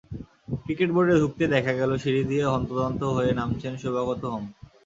Cricket বোর্ডে ঢুকতেই দেখা গেল সিঁড়ি দিয়ে হন্তদন্ত হয়ে নামছেন শুভাগত হোম।